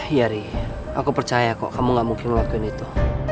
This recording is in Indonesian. iya ri aku percaya kok kamu gak mungkin ngelakuin itu